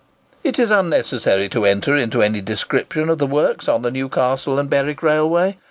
It is unnecessary to enter into any description of the works on the Newcastle and Berwick Railway.